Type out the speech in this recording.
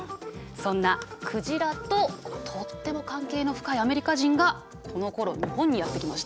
そんな鯨ととっても関係の深いアメリカ人がこのころ日本にやって来ました。